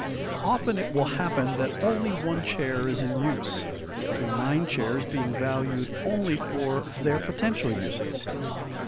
Often it will happen that only one chair is in use, the other nine chairs being valued only for their potential uses.